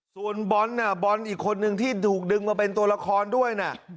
ส่วนบอลน่ะบอลอีกคนนึงที่ถูกดึงมาเป็นตัวละครด้วยนะ